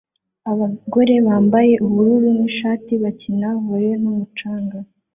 Abagore bambaye ubururu nicyatsi bakina volley mumucanga